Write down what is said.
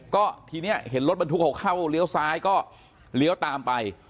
ก็ทีนี้เห็นรถบรรทุกเขาเข้าเลี้ยวซ้ายก็เลี้ยวตามไป